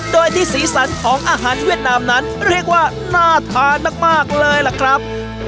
โดยที่สีสันของอาหารเวียดนามนั้นเรียกว่าน่าทานมากเลยล่ะครับ